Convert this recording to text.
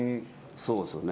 そうっすよね。